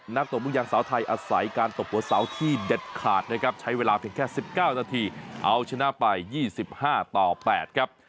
ตบลูกยางสาวไทยอาศัยการตบหัวเสาที่เด็ดขาดนะครับใช้เวลาเพียงแค่๑๙นาทีเอาชนะไป๒๕ต่อ๘ครับ